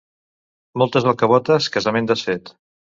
Moltes alcavotes, casament desfet.